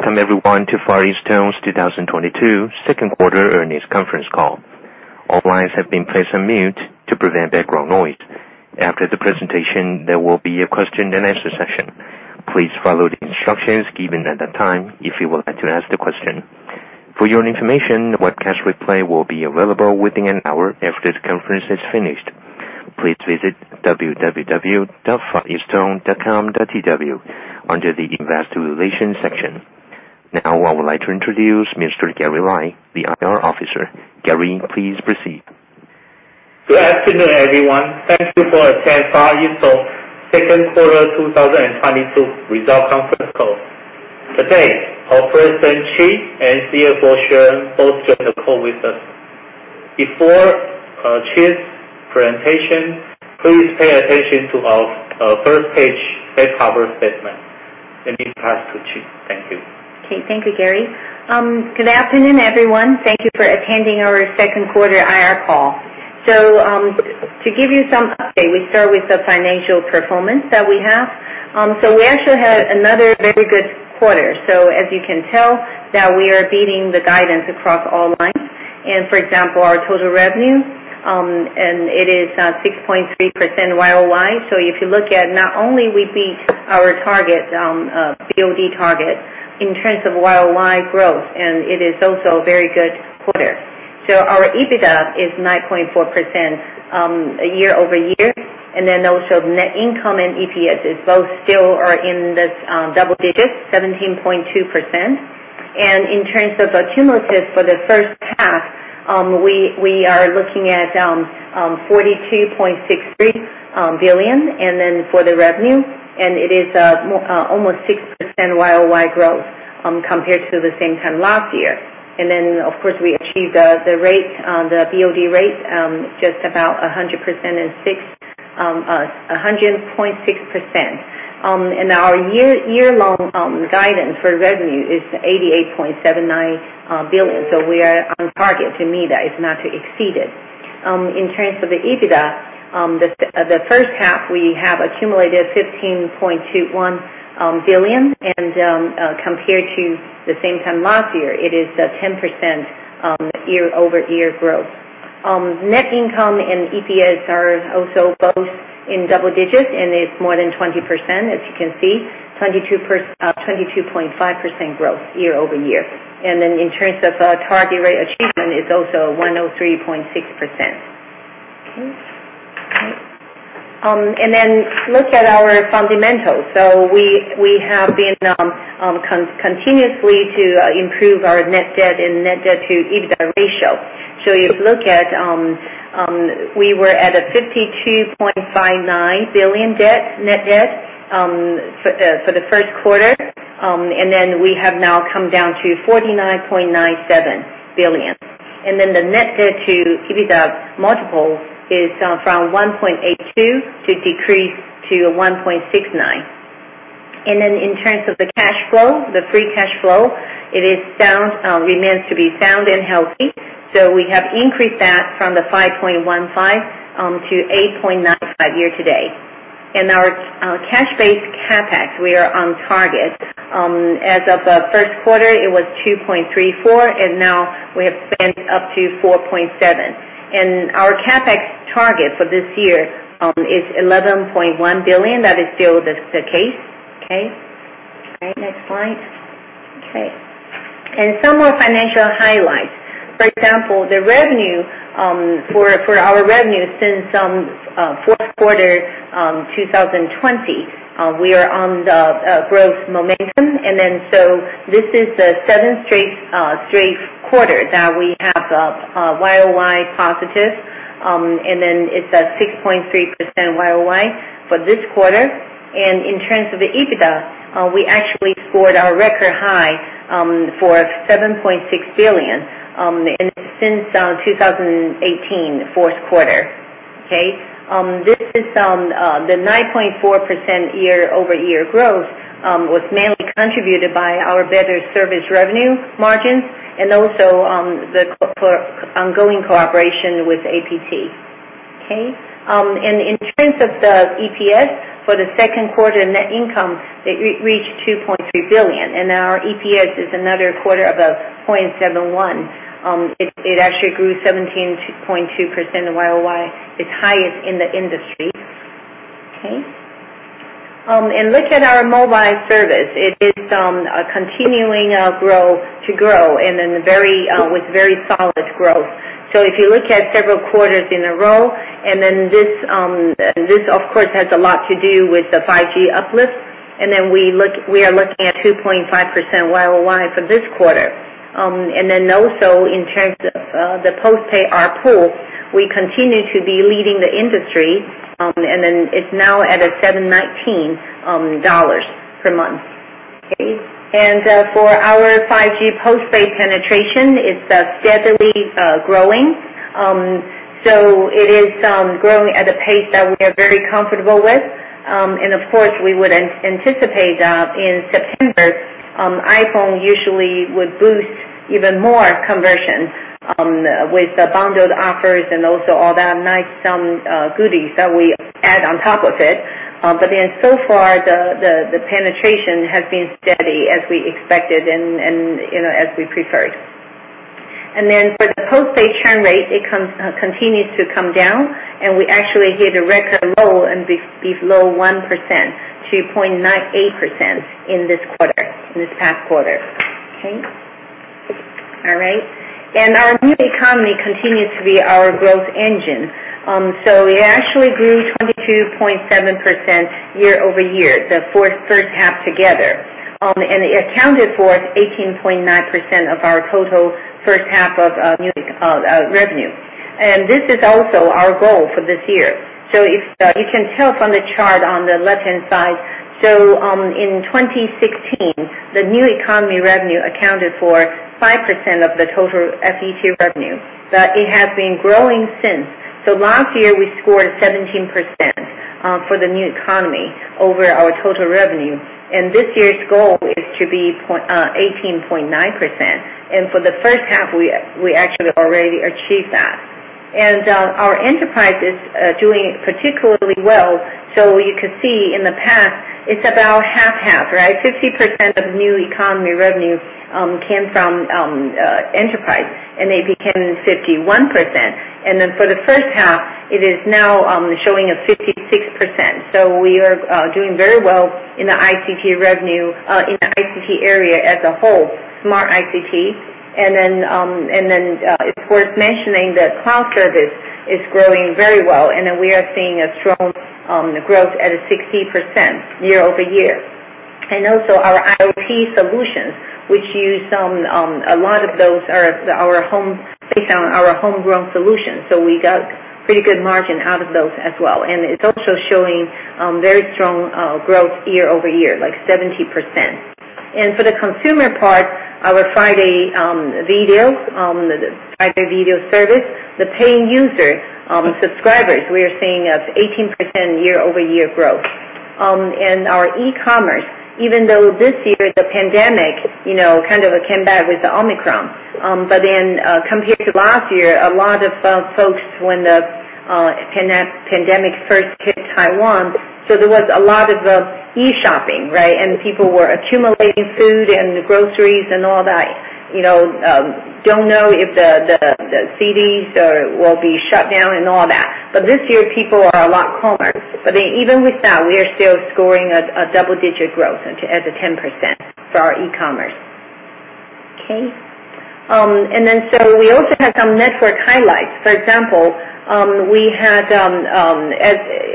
Welcome everyone to Far EasTone's 2022 second quarter earnings conference call. All lines have been placed on mute to prevent background noise. After the presentation, there will be a question and answer session. Please follow the instructions given at that time if you would like to ask the question. For your information, the webcast replay will be available within an hour after the conference is finished. Please visit www.fareastone.com.tw under the Investor Relations section. Now, I would like to introduce Mr. Gary Lai, the IR officer. Gary, please proceed. Good afternoon, everyone. Thank you for attending Far EasTone's second quarter 2022 result conference call. Today, our President, Ching, and CFO, Shen, both join the call with us. Before Ching's presentation, please pay attention to our first page safe harbor statement. Let me pass to Ching. Thank you. Okay. Thank you, Gary. Good afternoon, everyone. Thank you for attending our second quarter IR call. To give you some update, we start with the financial performance that we have. We actually had another very good quarter. As you can tell that we are beating the guidance across all lines. For example, our total revenue and it is 6.3% YOY. If you look at not only we beat our target, BOD target in terms of YOY growth, and it is also a very good quarter. Our EBITDA is 9.4% year over year, and then also net income and EPS is both still are in this double digit, 17.2%. In terms of the cumulative for the first half, we are looking at 42.63 billion for the revenue, and it is almost 6% YOY growth compared to the same time last year. Then, of course, we achieved the BOD rate just about 100.6%. Our year-long guidance for revenue is 88.79 billion. We are on target. To me, that is not to exceed it. In terms of the EBITDA, the first half, we have accumulated 15.21 billion, and compared to the same time last year, it is at 10% year-over-year growth. Net income and EPS are also both in double digits, and it's more than 20%, as you can see, 22.5% growth year-over-year. In terms of target rate achievement is also 103.6%. Okay. Look at our fundamentals. We have been continuously to improve our net debt and net debt to EBITDA ratio. If you look at, we were at 52.59 billion net debt for the first quarter, and then we have now come down to 49.97 billion. The net debt to EBITDA multiple is from 1.82, decreased to 1.69. In terms of the cash flow, the free cash flow, it is sound, remains to be sound and healthy. We have increased that from 5.15 billion to 8.95 billion year to date. Our cash-based CapEx, we are on target. As of first quarter, it was 2.34 billion, and now we have spent up to 4.7 billion. Our CapEx target for this year is 11.1 billion. That is still the case, okay? All right. Next slide. Okay. Some more financial highlights. For example, the revenue, for our revenue since fourth quarter 2020, we are on the growth momentum. This is the seventh straight quarter that we have a YOY positive, and then it's at 6.3% YOY for this quarter. In terms of the EBITDA, we actually scored our record high for 7.6 billion, and since 2018 fourth quarter, okay? This is the 9.4% year-over-year growth was mainly contributed by our better service revenue margins and also the ongoing cooperation with APT, okay? In terms of the EPS for the second quarter net income, it reached 2.3 billion, and our EPS is another quarter of a point 0.71. It actually grew 17.2% YOY, its highest in the industry. Okay? Look at our mobile service. It is continuing to grow with very solid growth. If you look at several quarters in a row, and then this of course has a lot to do with the 5G uplift, and then we are looking at 2.5% YOY for this quarter. Also in terms of the post-pay ARPU, we continue to be leading the industry, and then it's now at 719 dollars per month. Okay? For our 5G post-paid penetration, it's steadily growing. It is growing at a pace that we are very comfortable with. Of course, we would anticipate in September, iPhone usually would boost even more conversion. With the bundled offers and also all that nice goodies that we add on top of it. So far the penetration has been steady as we expected and you know, as we preferred. For the postpaid churn rate, it continues to come down, and we actually hit a record low below 1% to 0.98% in this past quarter. Our New Economy continues to be our growth engine. It actually grew 22.7% year-over-year, the first half together. It accounted for 18.9% of our total first half of unique revenue. This is also our goal for this year. If you can tell from the chart on the left-hand side, in 2016 the New Economy revenue accounted for 5% of the total FET revenue, but it has been growing since. Last year we scored 17% for the New Economy over our total revenue, and this year's goal is to be 18.9%. For the first half, we actually already achieved that. Our enterprise is doing particularly well. You could see in the past it's about half-half, right? 50% of New Economy revenue came from enterprise, and they became 51%. Then for the first half it is now showing a 56%. We are doing very well in the ICT revenue in the ICT area as a whole, smart ICT. It's worth mentioning that cloud service is growing very well, and we are seeing a strong growth at a 60% year-over-year. Also our IoT solutions, which a lot of those are our homegrown solutions, so we got pretty good margin out of those as well. It's also showing very strong growth year-over-year, like 70%. For the consumer part, our friDay videos, the friDay video service, the paying users subscribers, we are seeing up 18% year-over-year growth. Our e-commerce, even though this year the pandemic, you know, kind of came back with the Omicron. Compared to last year, a lot of folks, when the pandemic first hit Taiwan, so there was a lot of e-shopping, right? People were accumulating food and groceries and all that, you know, don't know if the cities will be shut down and all that. This year, people are a lot calmer. Even with that, we are still scoring a double-digit growth at 10% for our e-commerce. Okay. We also have some network highlights. For example, we had,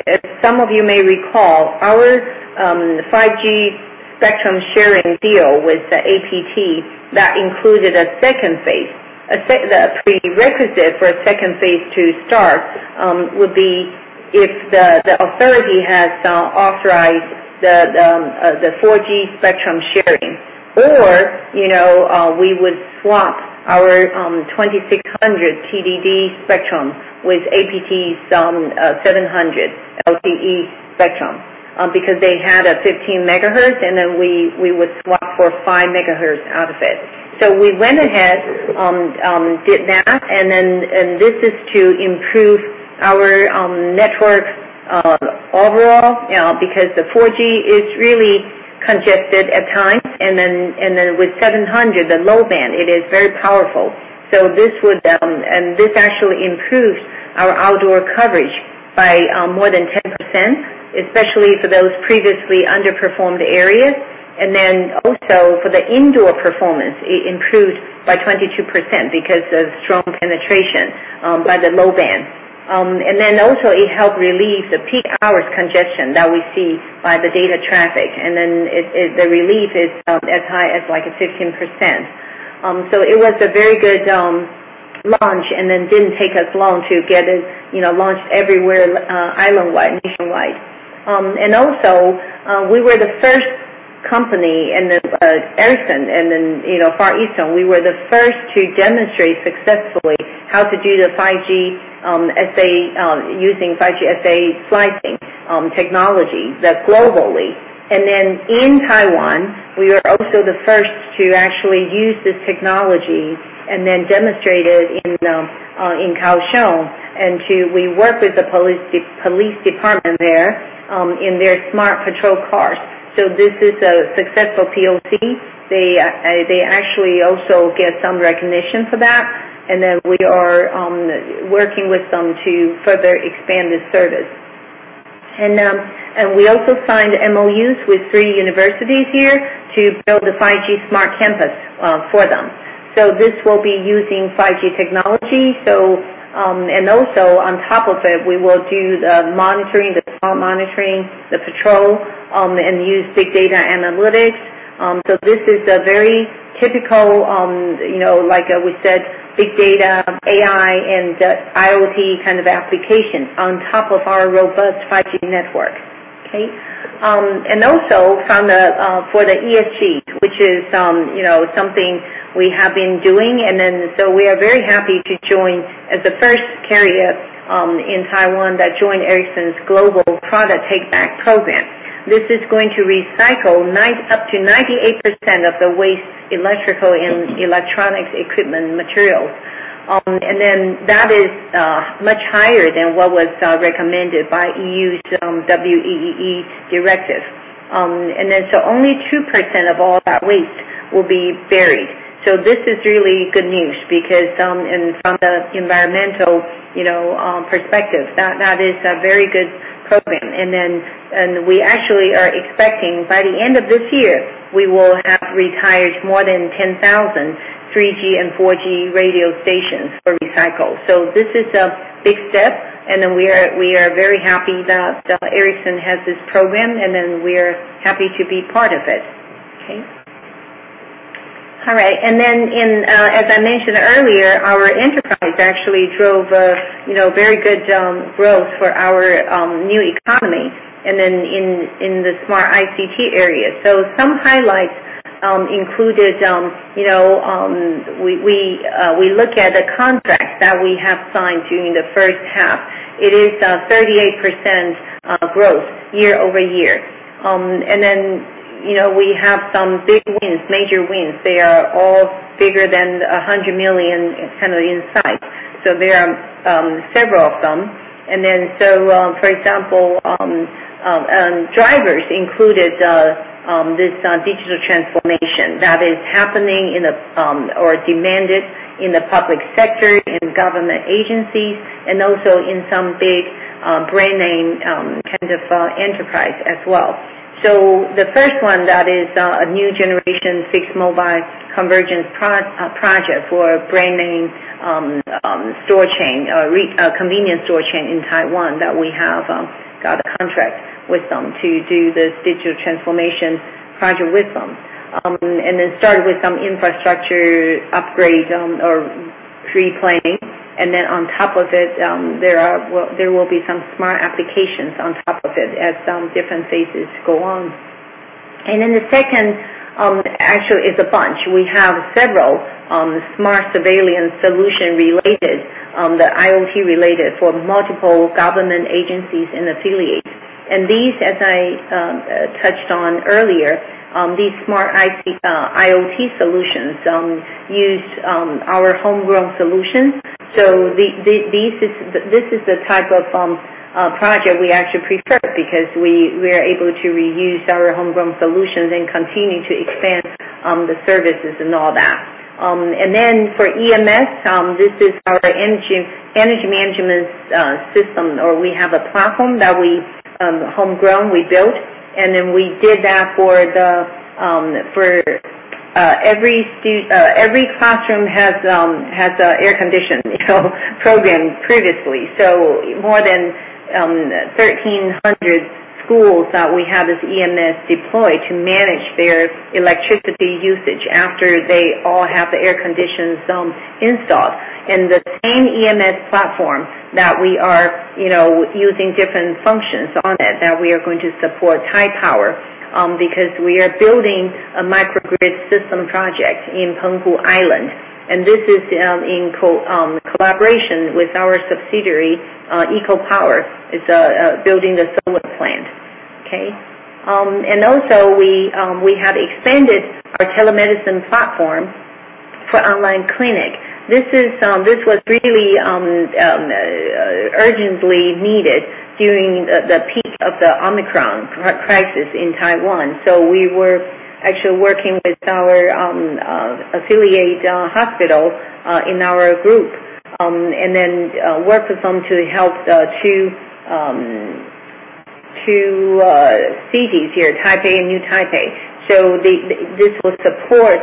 as some of you may recall, our 5G spectrum sharing deal with the APT that included a second phase. The prerequisite for a second phase to start would be if the authority has authorized the 4G spectrum sharing, or, you know, we would swap our 2600 TDD spectrum with APT's 700 LTE spectrum, because they had a 15 MHz, and then we would swap for 5 MHz out of it. We went ahead, did that. This is to improve our network overall, you know, because the 4G is really congested at times. With 700, the low band, it is very powerful. This actually improves our outdoor coverage by more than 10%, especially for those previously underperformed areas. Then also for the indoor performance, it improved by 22% because of strong penetration by the low band. Then also it helped relieve the peak hours congestion that we see by the data traffic. The relief is as high as like a 15%. So it was a very good launch and then didn't take us long to get it, you know, launched everywhere, island-wide, nationwide. Also, we were the first company, and then Ericsson and then, you know, Far EasTone, we were the first to demonstrate successfully how to do the 5G SA using 5G SA slicing technology that globally. In Taiwan, we are also the first to actually use this technology and then demonstrate it in Kaohsiung. We work with the police department there in their smart patrol cars. This is a successful POC. They actually also get some recognition for that. We are working with them to further expand the service. We also signed MOUs with three universities here to build the 5G smart campus for them. This will be using 5G technology. On top of it, we will do the monitoring, the patrol monitoring, the patrol, and use big data analytics. This is a very typical, you know, like we said, big data, AI, and IoT kind of application on top of our robust 5G network. Okay. For the ESG, which is, you know, something we have been doing. We are very happy to join as the first carrier in Taiwan that joined Ericsson's global product take back program. This is going to recycle up to 98% of the waste electrical and electronics equipment materials. That is much higher than what was recommended by EU's WEEE directive. Only 2% of all that waste will be buried. This is really good news because, from the environmental, you know, perspective, that is a very good program. We actually are expecting by the end of this year, we will have retired more than 10,000 3G and 4G radio stations for recycle. This is a big step, and then we are very happy that Ericsson has this program, and then we're happy to be part of it. Okay. All right. As I mentioned earlier, our enterprise actually drove, you know, very good growth for our New Economy in the smart ICT area. Some highlights included, you know, we look at the contracts that we have signed during the first half. It is 38% growth year-over-year. You know, we have some big wins, major wins. They are all bigger than 100 million in size. There are several of them. For example, drivers include this digital transformation that is happening in a or demanded in the public sector, in government agencies, and also in some big brand name kind of enterprise as well. The first one, that is, a new generation fixed mobile convergence project for brand name store chain, convenience store chain in Taiwan that we have got a contract with them to do this digital transformation project with them. It started with some infrastructure upgrade or pre-planning. On top of it, there will be some smart applications on top of it as some different phases go on. The second, actually is a bunch. We have several smart surveillance solutions related to the IoT for multiple government agencies and affiliates. These, as I touched on earlier, smart IoT solutions use our homegrown solutions. This is the type of project we actually prefer because we are able to reuse our homegrown solutions and continue to expand the services and all that. For EMS, this is our energy management system. We have a homegrown platform that we built, and then we did that for every classroom has an air conditioner, you know, programmed previously. More than 1,300 schools that we have this EMS deployed to manage their electricity usage after they all have the air conditioning systems installed. The same EMS platform that we are, you know, using different functions on it, that we are going to support Taiwan Power Company, because we are building a microgrid system project in Penghu Island, and this is in collaboration with our subsidiary, Prime EcoPower. It's building the solar plant. Okay. We have expanded our telemedicine platform for online clinic. This was really urgently needed during the peak of the Omicron crisis in Taiwan. We were actually working with our affiliate hospital in our group and then work with them to help two cities here, Taipei and New Taipei. This will support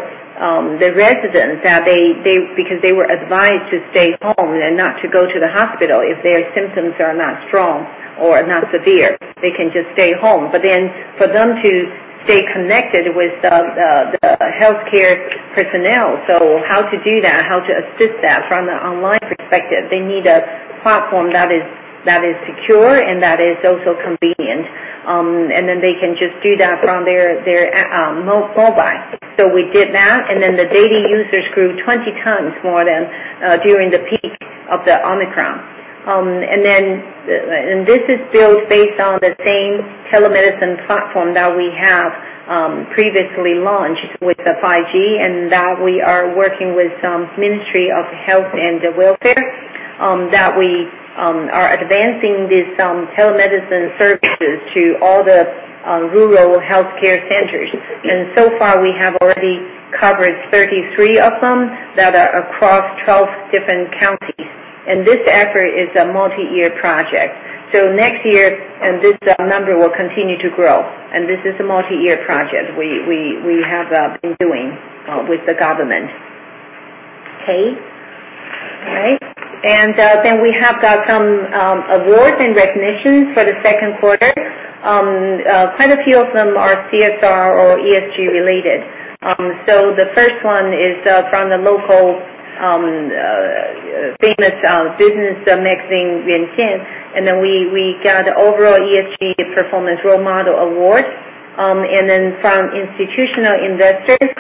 the residents because they were advised to stay home and not to go to the hospital if their symptoms are not strong or not severe. They can just stay home. For them to stay connected with the healthcare personnel, how to do that, how to assist that from the online perspective, they need a platform that is secure and that is also convenient. They can just do that from their mobile. We did that, and then the daily users grew 20x more than during the peak of Omicron. This is built based on the same telemedicine platform that we have previously launched with the 5G and that we are working with some Ministry of Health and Welfare that we are advancing these telemedicine services to all the rural healthcare centers. So far we have already covered 33 of them that are across 12 different counties. This effort is a multi-year project. Next year, and this number will continue to grow, and this is a multi-year project we have been doing with the government. We have got some awards and recognitions for the second quarter. Quite a few of them are CSR or ESG related. The first one is from the local famous business magazine, CommonWealth Magazine. We got Overall ESG Performance Role Model Award. From institutional investors,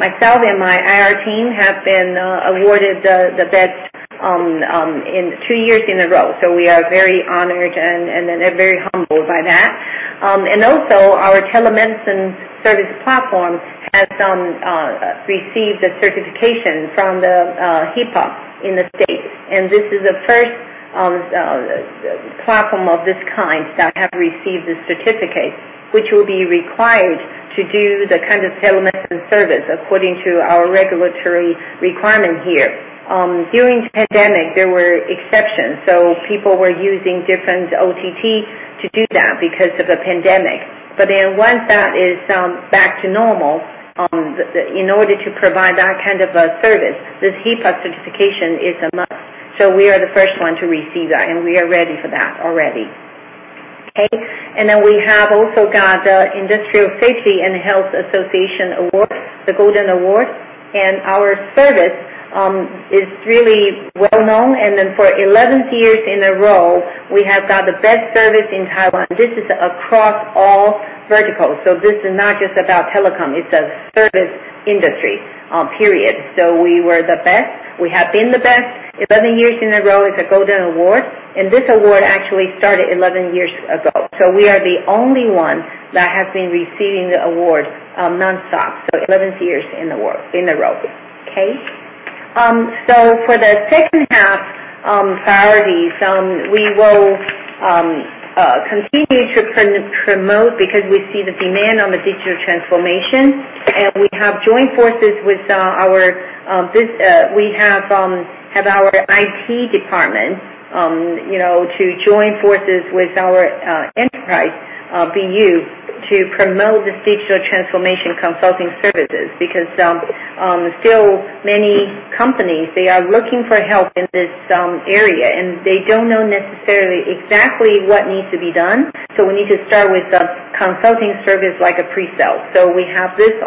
myself and my IR team have been awarded the best in two years in a row. We are very honored and then we're very humbled by that. Our telemedicine service platform has received a certification from HIPAA in the States, and this is the first platform of this kind that have received the certificate, which will be required to do the kind of telemedicine service according to our regulatory requirement here. During pandemic, there were exceptions, so people were using different OTT to do that because of the pandemic. Once that is back to normal, in order to provide that kind of a service, this HIPAA certification is a must. We are the first one to receive that, and we are ready for that already. Okay. We have also got Industrial Safety and Health Association Award, the Golden Award, and our service is really well-known. For 11 years in a row, we have got the best service in Taiwan. This is across all verticals, so this is not just about telecom. It's a service industry, period. We were the best. We have been the best 11 years in a row. It's a Golden Award, and this award actually started 11 years ago. We are the only one that has been receiving the award, nonstop for 11 years in the world in a row. Okay. For the second half, priorities, we will continue to promote because we see the demand on the digital transformation. We have joined forces with our IT department, you know, to join forces with our enterprise BU to promote this digital transformation consulting services, because still many companies, they are looking for help in this area, and they don't know necessarily exactly what needs to be done. We have this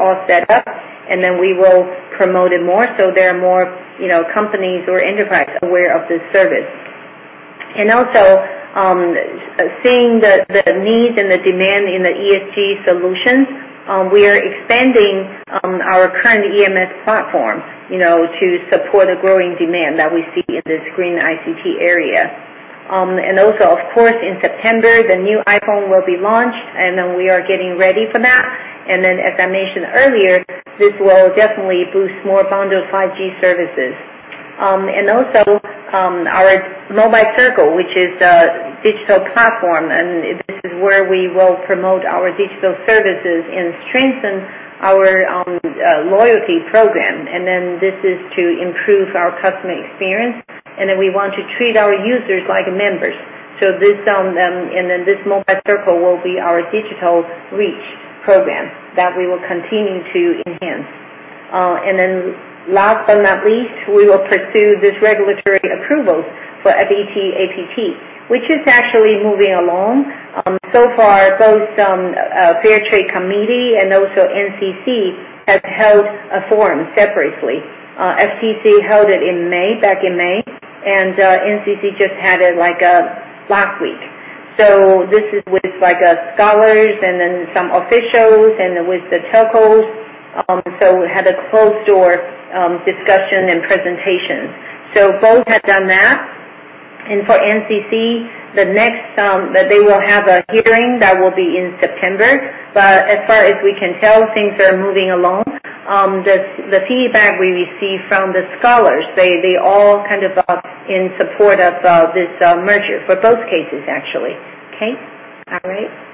all set up and then we will promote it more so there are more, you know, companies or enterprise aware of this service. Seeing the need and the demand in the ESG solutions, we are expanding our current EMS platform, you know, to support the growing demand that we see in this green ICT area. Of course, in September, the new iPhone will be launched, and then we are getting ready for that. As I mentioned earlier, this will definitely boost more bundled 5G services. Our Mobile Circle, which is a digital platform, and this is where we will promote our digital services and strengthen our loyalty program, and then this is to improve our customer experience. We want to treat our users like members. This Mobile Circle will be our digital reach program that we will continue to enhance. Last but not least, we will pursue this regulatory approvals for FET-APT, which is actually moving along. So far, both Fair Trade Commission and also NCC have held a forum separately. FTC held it in May, back in May, and NCC just had it, like, last week. This is with, like, scholars and then some officials and with the telcos. We had a closed-door discussion and presentation. Both have done that. For NCC, the next that they will have a hearing that will be in September. As far as we can tell, things are moving along. The feedback we receive from the scholars, they all kind of are in support of this merger for both cases actually. Okay? All right.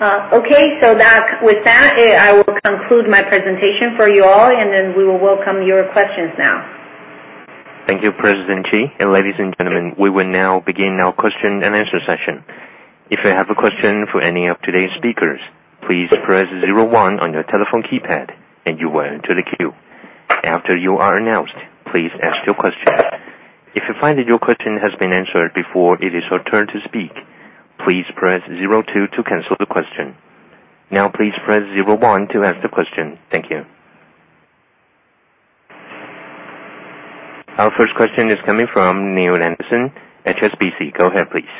Okay. With that, I will conclude my presentation for you all, and then we will welcome your questions now. Thank you, President Chee Ching, and ladies and gentlemen. We will now begin our question-and-answer session. If you have a question for any of today's speakers, please press zero one on your telephone keypad, and you will enter the queue. After you are announced, please ask your question. If you find that your question has been answered before it is your turn to speak, please press zero two to cancel the question. Now, please press zero one to ask the question. Thank you. Our first question is coming from Neil Anderson, HSBC. Go ahead, please.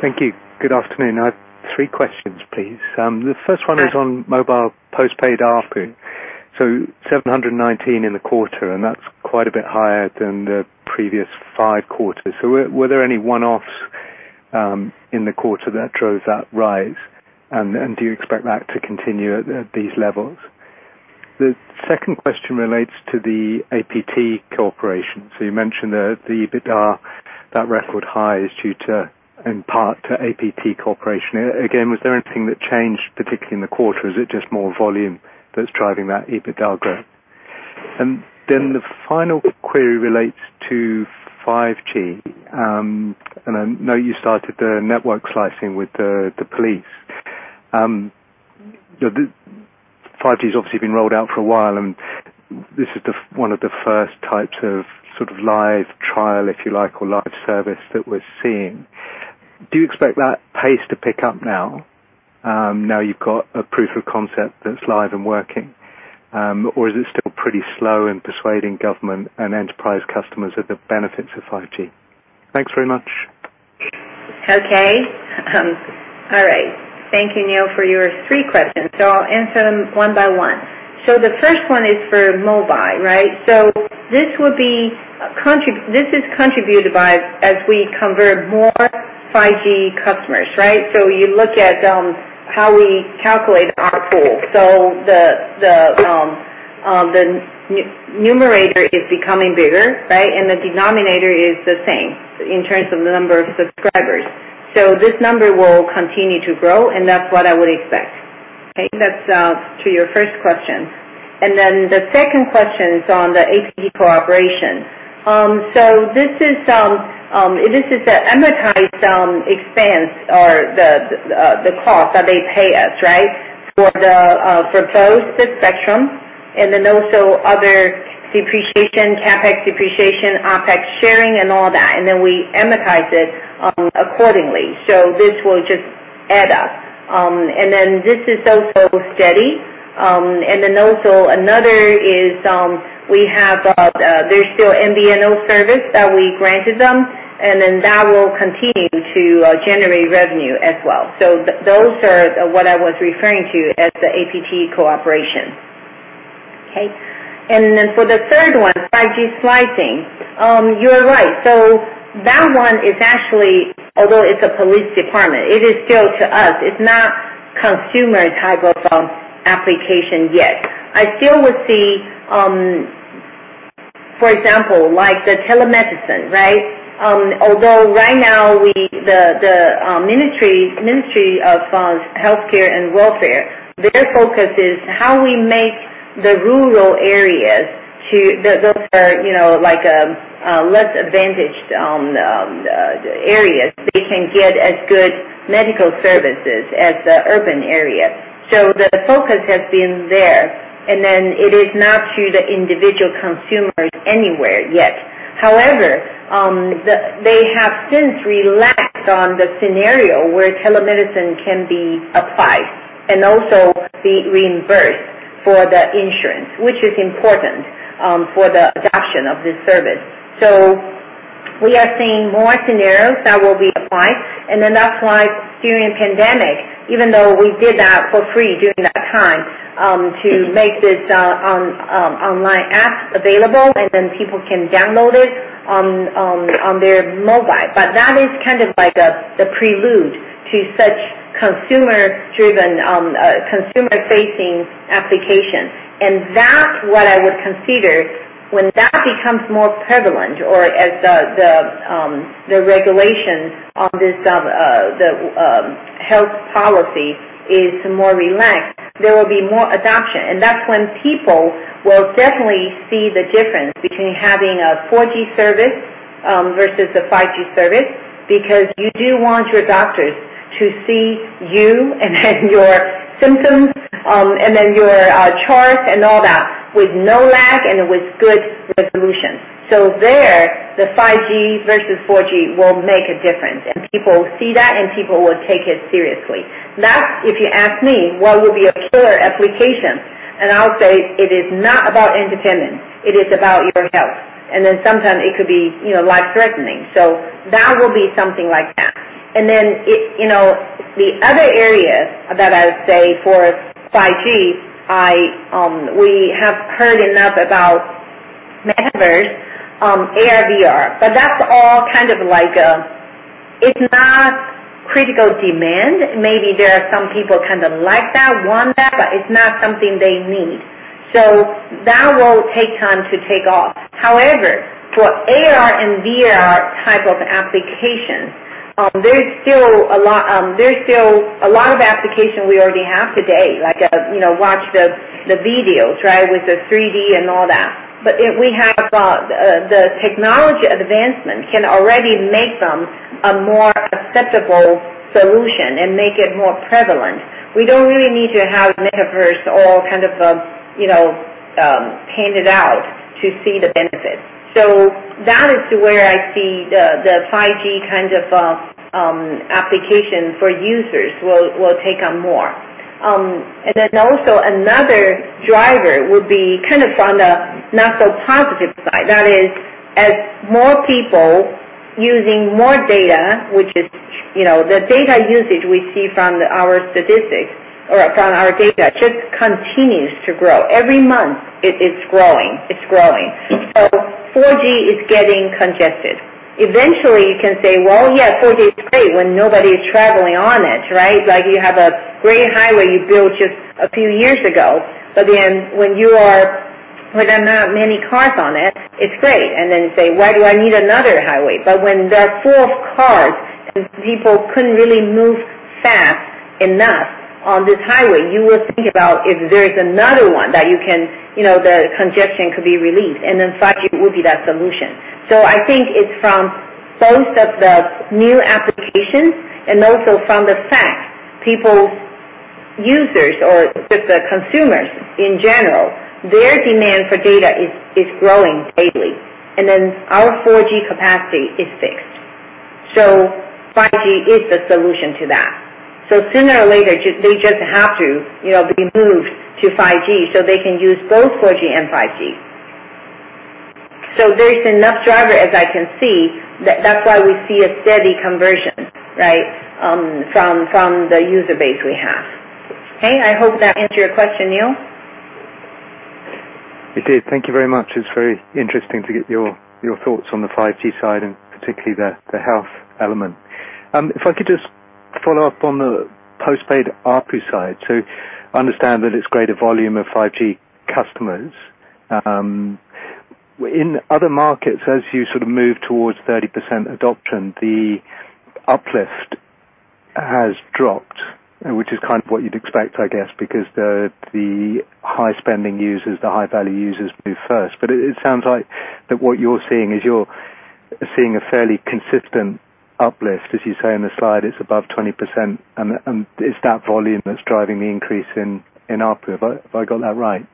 Thank you. Good afternoon. I have three questions, please. The first one is on mobile postpaid ARPU. 719 in the quarter, and that's quite a bit higher than the previous five quarters. Were there any one-offs in the quarter that drove that rise? And do you expect that to continue at these levels? The second question relates to the Asia Pacific Telecom. You mentioned the EBITDA, that record high is due to, in part, to Asia Pacific Telecom. Was there anything that changed, particularly in the quarter? Is it just more volume that's driving that EBITDA growth? The final query relates to 5G. I know you started the network slicing with the police. 5G's obviously been rolled out for a while, and this is one of the first types of sort of live trial, if you like, or live service that we're seeing. Do you expect that pace to pick up now you've got a proof of concept that's live and working? Or is it still pretty slow in persuading government and enterprise customers of the benefits of 5G? Thanks very much. Okay. All right. Thank you, Neil, for your three questions. I'll answer them one by one. The first one is for mobile, right? This is contributed by as we convert more 5G customers, right? You look at how we calculate our ARPU. The numerator is becoming bigger, right? The denominator is the same in terms of the number of subscribers. This number will continue to grow, and that's what I would expect. Okay. That's to your first question. The second question is on the AP cooperation. This is the amortized expense or the cost that they pay us, right? For both the spectrum and then also other depreciation, CapEx depreciation, OPEX sharing and all that. We amortize it accordingly. This will just add up. This is also steady. Another is, there's still MVNO service that we granted them, and then that will continue to generate revenue as well. Those are what I was referring to as the APT cooperation. Okay. For the third one, 5G slicing. You're right. That one is actually although it's a police department, it is still to us, it's not consumer type of application yet. I still would see, for example, like the telemedicine, right? Although right now the Ministry of Health and Welfare, their focus is how we make the rural areas to those are, you know, like, less advantaged areas. They can get as good medical services as the urban areas. The focus has been there. It is not to the individual consumers anywhere yet. However, they have since relaxed on the scenario where telemedicine can be applied and also be reimbursed for the insurance, which is important for the adoption of this service. We are seeing more scenarios that will be applied. That's why during pandemic, even though we did that for free during that time, to make this online app available, and people can download it on their mobile. That is kind of like the prelude to such consumer-driven, consumer-facing application. That's what I would consider when that becomes more prevalent or as the regulation on this, health policy is more relaxed, there will be more adoption. That's when people will definitely see the difference between having a 4G service versus a 5G service. Because you do want your doctors to see you and your symptoms, and then your chart and all that with no lag and with good resolution. So there the 5G versus 4G will make a difference. People see that, and people will take it seriously. That's if you ask me what would be a killer application, and I'll say it is not about entertainment, it is about your health. Then sometimes it could be, you know, life-threatening. So that will be something like that. You know, the other areas that I would say for 5G, we have heard enough about metaverse, AR/VR, but that's all kind of like. It's not critical demand. Maybe there are some people kind of like that, want that, but it's not something they need. That will take time to take off. However, for AR and VR type of applications, there's still a lot of application we already have today, like, you know, watch the videos, right? With the 3D and all that. We have the technology advancement can already make them a more acceptable solution and make it more prevalent. We don't really need to have metaverse all kind of, you know, painted out to see the benefits. That is where I see the 5G kind of application for users will take on more. Also another driver would be kind of on a not so positive side. That is, as more people using more data, which is, you know, the data usage we see from our statistics or from our data just continues to grow. Every month it is growing, it's growing. 4G is getting congested. Eventually you can say, well, yeah, 4G is great when nobody is traveling on it, right? Like, you have a great highway you built just a few years ago. When there are not many cars on it's great. Then say, "Why do I need another highway?" When they're full of cars and people couldn't really move fast enough on this highway, you will think about if there's another one that you can, you know, the congestion could be relieved, and then 5G would be that solution. I think it's from both of the new applications and also from the fact people, users or just the consumers in general, their demand for data is growing daily. Then our 4G capacity is fixed. 5G is the solution to that. Sooner or later, they just have to, you know, be moved to 5G so they can use both 4G and 5G. There's enough drivers as I can see. That's why we see a steady conversion, right? From the user base we have. Okay, I hope that answered your question, Neil. It did. Thank you very much. It's very interesting to get your thoughts on the 5G side and particularly the health element. If I could just follow up on the postpaid ARPU side. Understand that it's greater volume of 5G customers. In other markets, as you sort of move towards 30% adoption, the uplift has dropped, which is kind of what you'd expect, I guess, because the high-spending users, the high-value users move first. It sounds like what you're seeing is a fairly consistent uplift. As you say in the slide, it's above 20% and it's that volume that's driving the increase in ARPU. Have I got that right?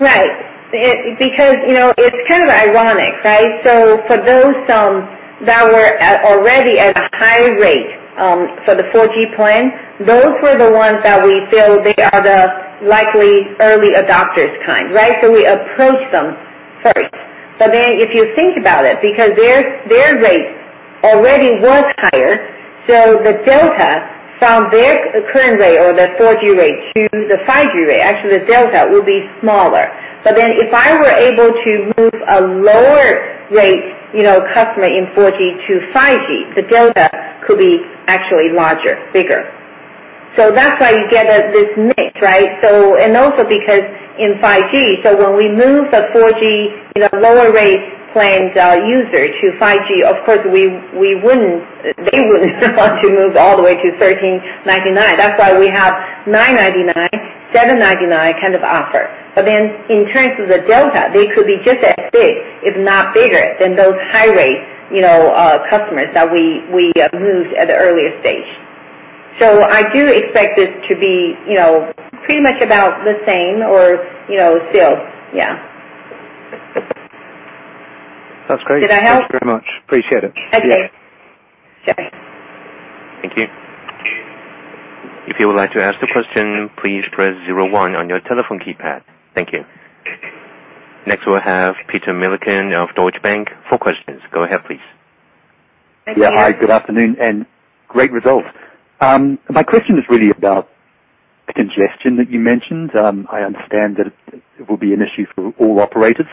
Because, you know, it's kind of ironic, right? For those that were already at a high rate for the 4G plan, those were the ones that we feel they are the likely early adopters kind, right? We approach them first. If you think about it, because their rate already was higher, the delta from their current rate or their 4G rate to the 5G rate, actually the delta will be smaller. If I were able to move a lower rate customer in 4G to 5G, the delta could be actually larger, bigger. That's why you get this mix, right? Also because in 5G, when we move the 4G, you know, lower rate plans user to 5G, of course we wouldn't, they wouldn't want to move all the way to 1,399. That's why we have 999, 799 kind of offer. Then in terms of the delta, they could be just as big, if not bigger than those high rate, you know, customers that we moved at the earliest stage. I do expect it to be, you know, pretty much about the same or, you know, still. Yeah. Sounds great. Did I help? Thanks very much. Appreciate it. Okay. Sure. Thank you. If you would like to ask a question, please press zero one on your telephone keypad. Thank you. Next we'll have Peter Milliken of Deutsche Bank for questions. Go ahead, please. Thank you. Yeah. Hi, good afternoon and great results. My question is really about congestion that you mentioned. I understand that it will be an issue for all operators,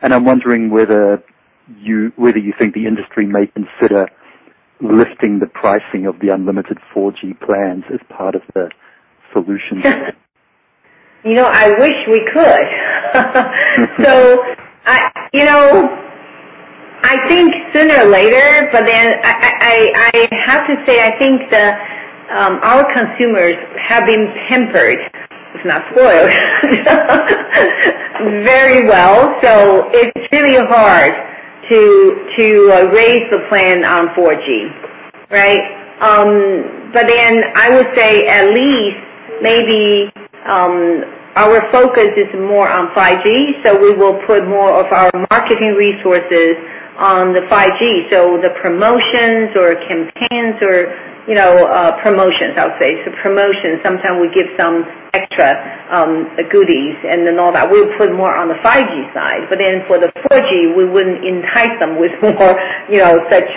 and I'm wondering whether you think the industry may consider lifting the pricing of the unlimited 4G plans as part of the solution. You know, I wish we could. You know, I think sooner or later, but then I have to say, I think our consumers have been pampered, if not spoiled, very well, so it's really hard to raise the plan on 4G, right? I would say at least maybe our focus is more on 5G, so we will put more of our marketing resources on the 5G. The promotions or campaigns or, you know, promotions, I would say. Promotions, sometimes we give some extra goodies and then all that. We'll put more on the 5G side, for the 4G, we wouldn't entice them with more, you know, such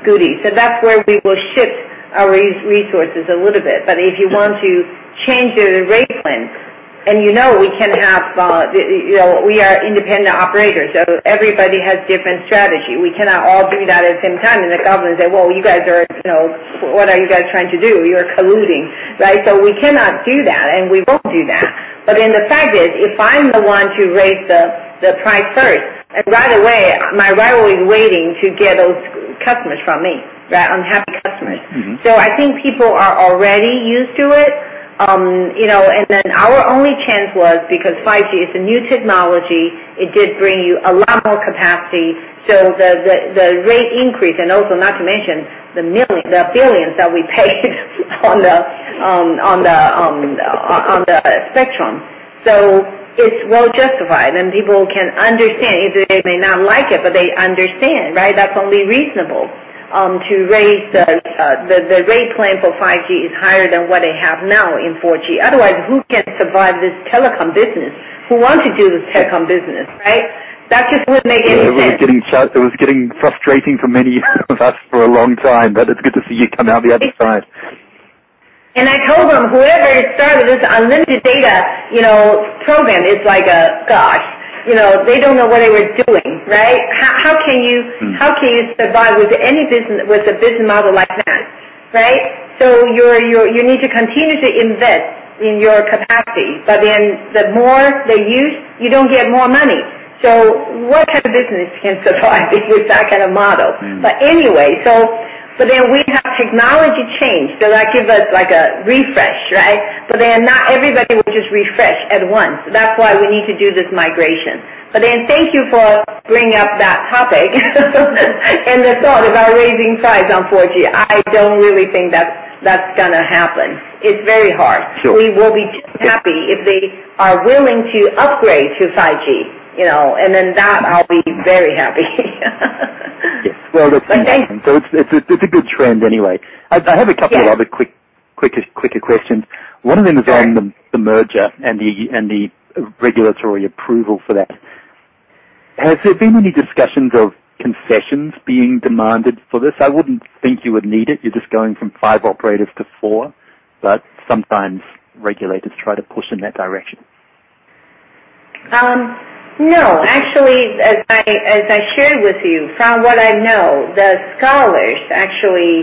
goodies. That's where we will shift our resources a little bit. If you want to change the rate plan and you know we can have, you know. We are independent operators, so everybody has different strategy. We cannot all do that at the same time, and the government say, "Well, you guys are, you know. What are you guys trying to do? You're colluding." Right. We cannot do that, and we won't do that. The fact is, if I'm the one to raise the price first, right away my rival is waiting to get those customers from me, right. Unhappy customers. Mm-hmm. I think people are already used to it. You know, and then our only chance was because 5G is a new technology, it did bring you a lot more capacity, so the rate increase and also not to mention the billions that we paid on the spectrum. It's well justified, and people can understand. They may not like it, but they understand, right? That's only reasonable to raise the rate plan for 5G is higher than what they have now in 4G. Otherwise, who can survive this telecom business? Who want to do this telecom business, right? That just wouldn't make any sense. It was getting frustrating for many of us for a long time. It's good to see you come out the other side. I told them, whoever started this unlimited data, you know, program is like a gosh, you know. They don't know what they were doing, right? How can you? Mm. How can you survive with any business, with a business model like that, right? You need to continue to invest in your capacity, but then the more they use, you don't get more money. What type of business can survive with that kind of model? Mm. We have technology change to, like, give us, like, a refresh, right? Not everybody will just refresh at once. That's why we need to do this migration. Thank you for bringing up that topic and the thought about raising price on 4G. I don't really think that's gonna happen. It's very hard. Sure. We will be happy if they are willing to upgrade to 5G, you know, and then that I'll be very happy. Yes. Well, that's interesting. It's a good trend anyway. Yeah. I have a couple of other quicker questions. Sure. One of them is on the merger and the regulatory approval for that. Has there been any discussions of concessions being demanded for this? I wouldn't think you would need it. You're just going from five operators to four. Sometimes regulators try to push in that direction. No. Actually, as I shared with you, from what I know, the scholars actually,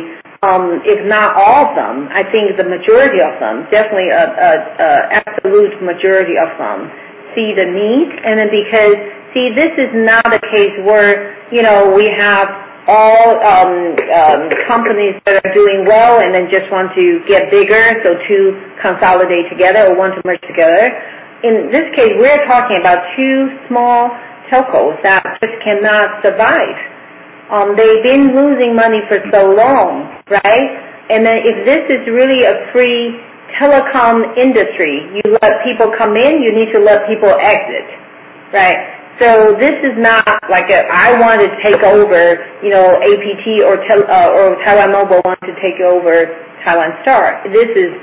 if not all of them, I think the majority of them, definitely an absolute majority of them see the need. See, this is not a case where, you know, we have all companies that are doing well and then just want to get bigger, so to consolidate together or want to merge together. In this case, we're talking about two small telcos that just cannot survive. They've been losing money for so long, right? If this is really a free telecom industry, you let people come in, you need to let people exit, right? This is not like, I want to take over, you know, APT or Taiwan Mobile want to take over Taiwan Star. This is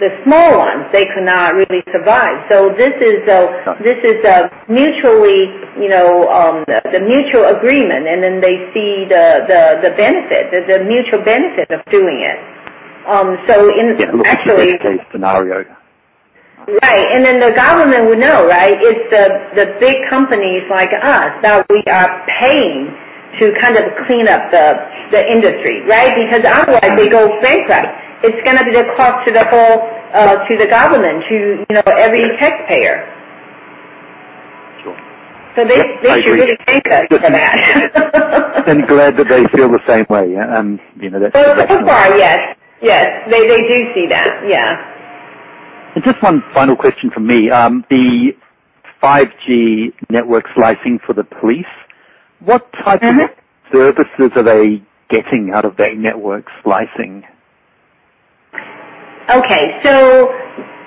the small ones. They cannot really survive. This is a mutual agreement, you know, and then they see the mutual benefit of doing it. Yeah. Well, best case scenario. Right. Then the government would know, right? It's the big companies like us that we are paying to kind of clean up the industry, right? Because otherwise- Yeah. they go bankrupt. It's gonna be the cost to the whole, to the government, to, you know, every taxpayer. Sure. They should really thank us for that. I'm glad that they feel the same way, you know. Well, so far, yes. Yes. They do see that. Yeah. Just one final question from me. The 5G network slicing for the police- Mm-hmm. What type of services are they getting out of that network slicing? Okay.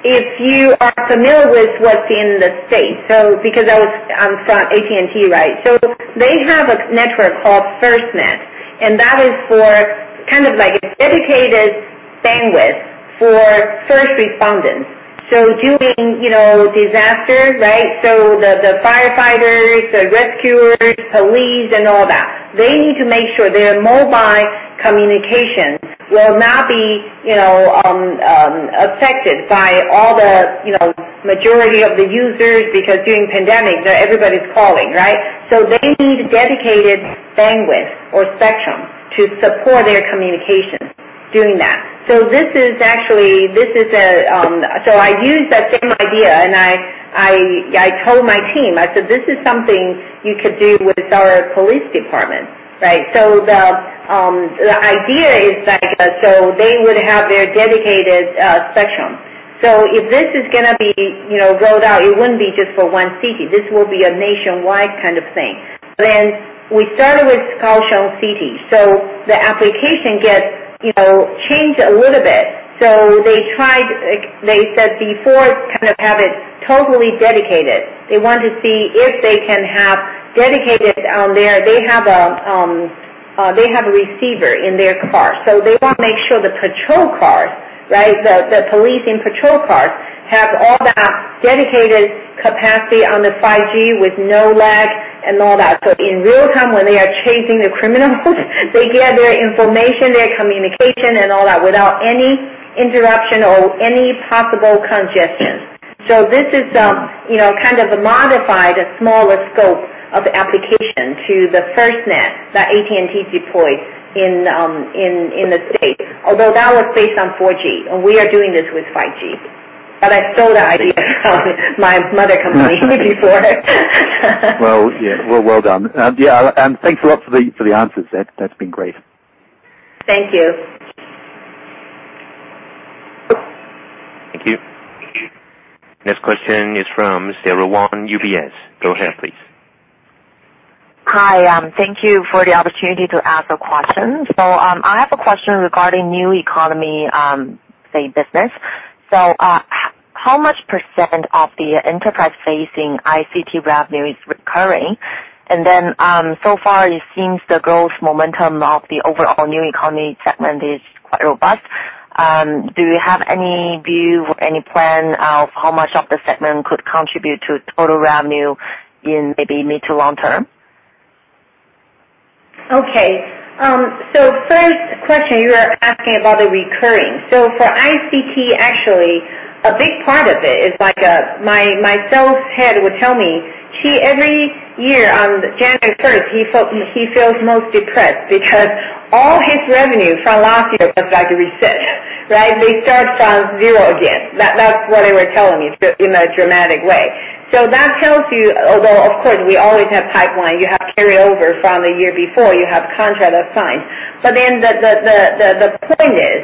If you are familiar with what's in the States, because I was from AT&T, right? They have a network called FirstNet, and that is for kind of like a dedicated bandwidth for first responders. During, you know, disasters, right? The firefighters, the rescuers, police and all that, they need to make sure their mobile communications will not be, you know, affected by all the, you know, majority of the users because during pandemic, everybody's calling, right? They need dedicated bandwidth or spectrum to support their communication doing that. I use that same idea, and I told my team, I said, "This is something you could do with our police department," right? The idea is like they would have their dedicated spectrum. If this is gonna be, you know, rolled out, it wouldn't be just for one city. This will be a nationwide kind of thing. We started with Kaohsiung City. The application gets, you know, changed a little bit. They tried, like they said before, kind of have it totally dedicated. They want to see if they can have dedicated on there. They have a receiver in their car, so they wanna make sure the patrol cars, right, the police in patrol cars have all that dedicated capacity on the 5G with no lag and all that. In real time, when they are chasing the criminals, they get their information, their communication, and all that without any interruption or any possible congestion. This is, you know, kind of a modified, smaller scope of application to the FirstNet that AT&T deployed in the States. Although that was based on 4G, and we are doing this with 5G. I stole the idea from my mother company before. Well, yeah. Well done. Yeah, thanks a lot for the answers. That's been great. Thank you. Thank you. Thank you. Next question is from Sara Wan, UBS. Go ahead, please. Hi. Thank you for the opportunity to ask a question. I have a question regarding New Economy, say, business. How much % of the enterprise-facing ICT revenue is recurring? So far it seems the growth momentum of the overall New Economy segment is quite robust. Do you have any view or any plan of how much of the segment could contribute to total revenue in maybe mid to long term? Okay. First question, you are asking about the recurring. For ICT, actually, a big part of it is like, my sales head would tell me, she every year on January first he feels most depressed because all his revenue from last year was like reset, right? They start from zero again. That's what they were telling me in a dramatic way. That tells you. Although, of course, we always have pipeline. You have carry over from the year before. You have contract that's signed. Then the point is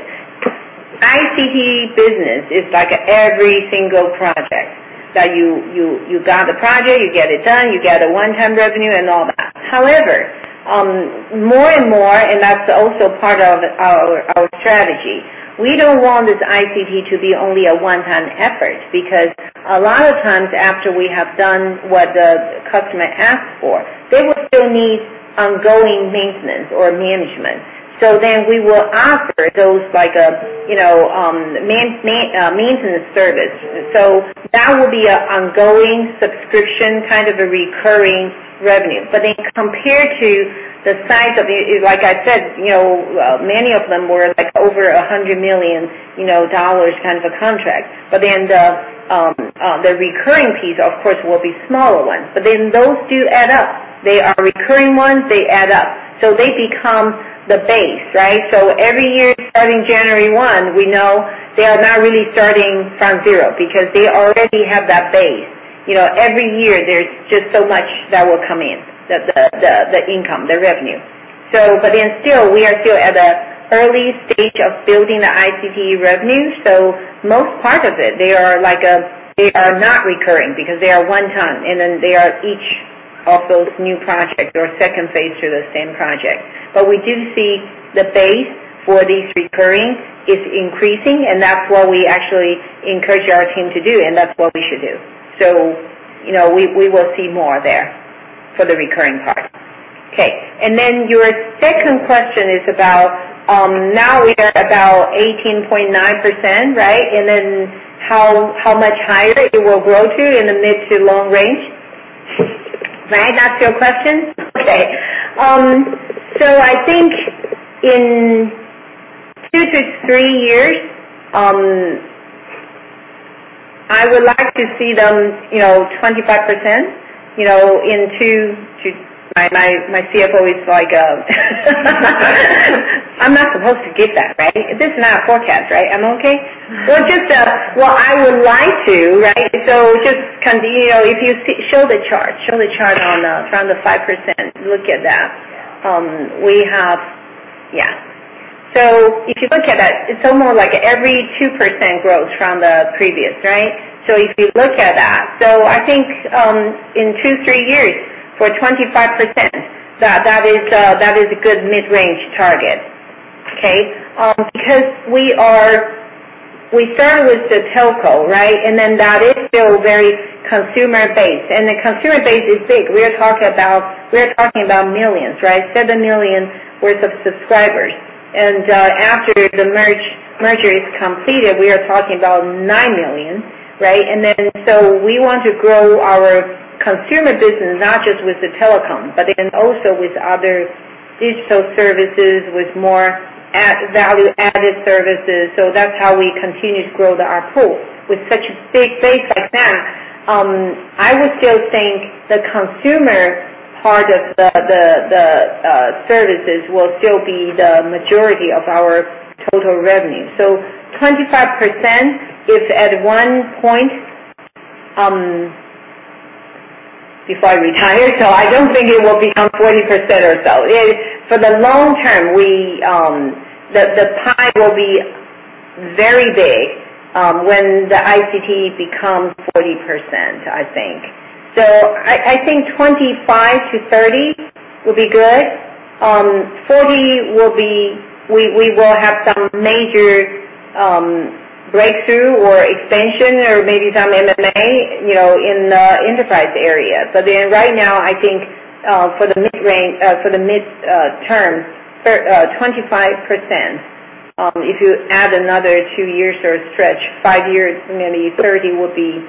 ICT business is like every single project that you got the project, you get it done, you get a one-time revenue and all that. However, more and more, and that's also part of our strategy. We don't want this ICT to be only a one-time effort because a lot of times after we have done what the customer asks for, they will still need ongoing maintenance or management. We will offer those like a, you know, maintenance service. That will be a ongoing subscription, kind of a recurring revenue. But then compared to the size of the. Like I said, you know, many of them were like over $100 million, you know, kind of a contract. But then the recurring piece, of course, will be smaller ones, but then those do add up. They are recurring ones, they add up. So they become the base, right? Every year, starting January 1, we know they are not really starting from zero because they already have that base. You know, every year there's just so much that will come in, the income, the revenue. We are still at an early stage of building the ICT revenue. Most part of it, they are like a. They are not recurring because they are one time, and then there are each of those new projects or second phase to the same project. We do see the base for these recurring is increasing, and that's what we actually encourage our team to do, and that's what we should do. You know, we will see more there for the recurring part. Okay. Your second question is about, now we are about 18.9%, right? How much higher it will grow to in the mid to long range? Right? That's your question? Okay. I think in two to three years, I would like to see them, you know, 25%, you know. My CFO is like, I'm not supposed to give that, right? This is not a forecast, right? Am I okay? I would like to, right? Just kind of, you know, if you see. Show the chart. Show the chart on the, from the 5%. Look at that. If you look at that, it's almost like every 2% growth from the previous, right? If you look at that. I think, in two to three years, for 25%, that is a good mid-range target. Okay? We start with the telco, right? That is still very consumer-based, and the consumer base is big. We are talking about millions, right? 7 million subscribers. After the merger is completed, we are talking about 9 million, right? We want to grow our consumer business not just with the telecom, but then also with other digital services, with more value-added services. That's how we continue to grow our pool. With such a big base like that, I would still think the consumer part of the services will still be the majority of our total revenue. 25% if at one point, before I retire. I don't think it will become 40% or so. For the long term, the pie will be very big when the ICT becomes 40%, I think. I think 25-30 will be good. 40 will be. We will have some major breakthrough or expansion or maybe some M&A, you know, in the enterprise area. Right now, I think, for the mid-term, 25%, if you add another two years or stretch, five years, maybe 30 will be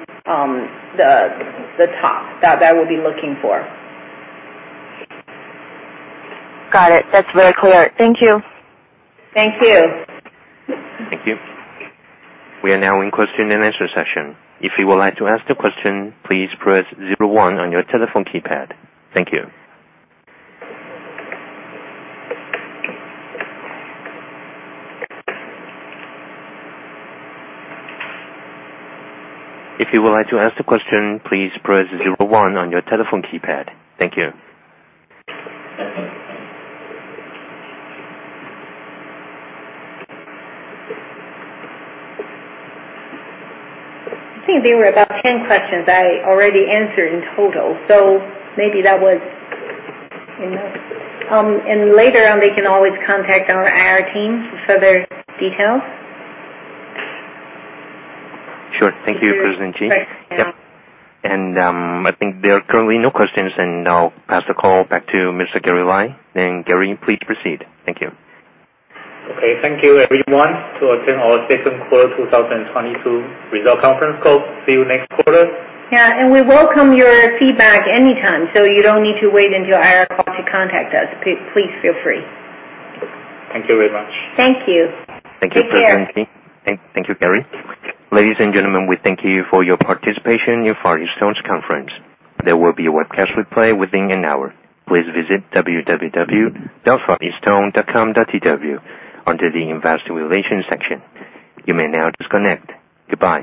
the top that we'll be looking for. Got it. That's very clear. Thank you. Thank you. Thank you. We are now in question and answer session. If you would like to ask the question, please press zero one on your telephone keypad. Thank you. If you would like to ask the question, please press zero one on your telephone keypad. Thank you. I think there were about 10 questions I already answered in total, so maybe that was enough. Later on they can always contact our IR team for further details. Sure. Thank you, President Ching. Right. Yep. I think there are currently no questions, and I'll pass the call back to Mr. Gary Lai. Gary, please proceed. Thank you. Okay. Thank you everyone to attend our second quarter 2022 results conference call. See you next quarter. Yeah, we welcome your feedback anytime, so you don't need to wait until IR call to contact us. Please feel free. Thank you very much. Thank you. Thank you, President Chee Ching. Take care. Thank you, Gary. Ladies and gentlemen, we thank you for your participation in Far EasTone's conference. There will be a webcast replay within an hour. Please visit www.fareastone.com.tw under the investor relations section. You may now disconnect. Goodbye.